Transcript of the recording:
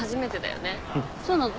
そうなの？